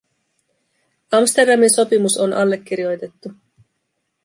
Amsterdamin sopimus on allekirjoitettu.